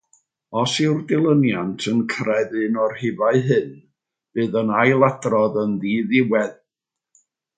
Os yw'r dilyniant yn cyrraedd un o'r rhifau hyn, bydd yn ailadrodd yn ddiddiwedd.